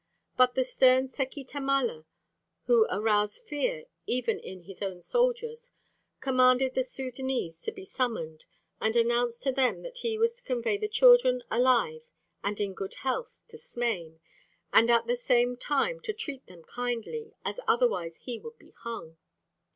But the stern Seki Tamala, who aroused fear even in his own soldiers, commanded the Sudânese to be summoned, and announced to him that he was to convey the children alive and in good health to Smain, and at the same time to treat them kindly, as otherwise he would be hung.